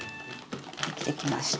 できてきました！